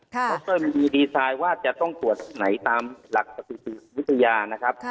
เขาก็มีดีไซน์ว่าจะต้องตรวจไหนตามหลักสถิติวิทยานะครับ